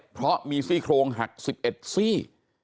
เพราะมีซี่โครงหัก๑๑ซี่